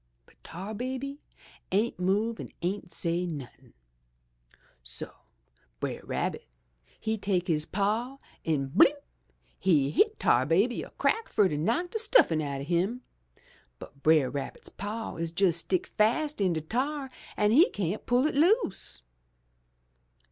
"But Tar Baby ain't move and ain't say nothin'! So Brer Rabbit he take his paw and blimp! he hit 'Tar Baby a crack fur to knock de stuffin' out o' him, but Brer Rabbit's paw is jes' stick fast in de tar an' he cyan't pull it loose.